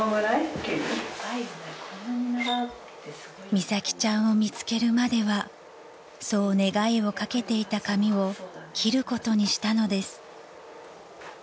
［美咲ちゃんを見つけるまではそう願いを掛けていた髪を切ることにしたのです］